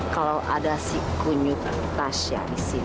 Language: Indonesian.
kalau ada si kunyut tasya